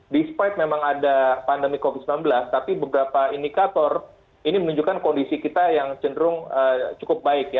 despite memang ada pandemi covid sembilan belas tapi beberapa indikator ini menunjukkan kondisi kita yang cenderung cukup baik ya